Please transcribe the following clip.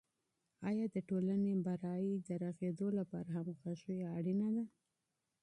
آیا د ټولني برایې د رغیدو لپاره همغږي اړینه ده؟